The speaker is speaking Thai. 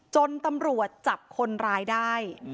จนตำรวจจับคนร้ายได้